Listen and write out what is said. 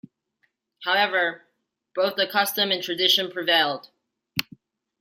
However, both the custom and tradition prevailed.